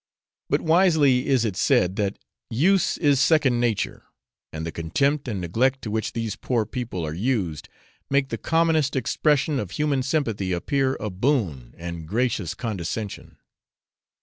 But wisely is it said, that use is second nature; and the contempt and neglect to which these poor people are used, make the commonest expression of human sympathy appear a boon and gracious condescension.